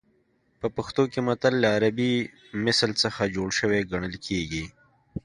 په پښتو کې متل له عربي مثل څخه جوړ شوی ګڼل کېږي